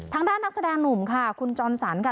ทางด้านนักแสดงหนุ่มค่ะคุณจรสันค่ะ